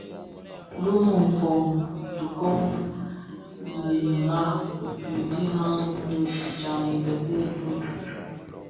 Dhi fon kitoň didhagen di jaň i biteën bi bum,